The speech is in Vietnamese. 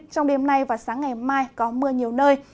trong đêm nay và sáng ngày mai có mưa nhiều nơi